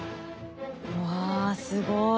うわすごい。